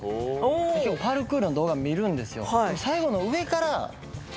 パルクールの動画見るんですよ。